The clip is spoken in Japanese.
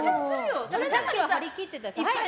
さっきは張り切ってたじゃん。